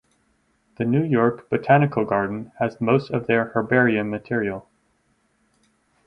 The New York Botanical Garden has most of their herbarium material.